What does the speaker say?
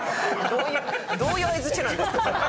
どういうどういう相づちなんですか。